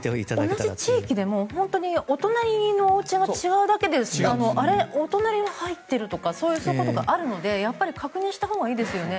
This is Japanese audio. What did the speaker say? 同じ地域でもお隣のおうちが違うだけであれ、お隣は入ってるとかそういうことがあるのでやっぱり確認したほうがいいですよね。